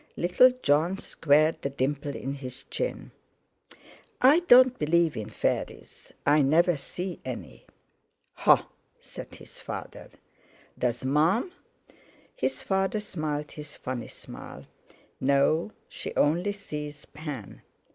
Little Jon squared the dimple in his chin. "I don't believe in fairies. I never see any." "Ha!" said his father. "Does Mum?" His father smiled his funny smile. "No; she only sees Pan."